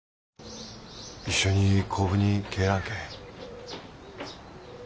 一緒に甲府に帰らんけ？